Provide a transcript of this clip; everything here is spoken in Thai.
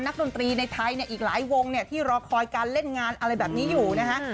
ดนตรีในไทยเนี่ยอีกหลายวงเนี่ยที่รอคอยการเล่นงานอะไรแบบนี้อยู่นะฮะ